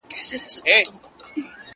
زړه طالب کړه د الفت په مدرسه کي,